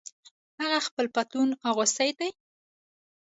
هغه خپل پتلون اغوستۍ دي